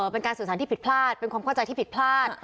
เป็นการสื่อสารที่ผิดพลาดเป็นความเข้าใจที่ผิดพลาด